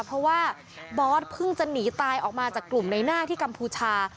เพราะว่าบอสเพิ่งจะหนีตายออกมาจากกลุ่มในหน้าที่กัมพูชา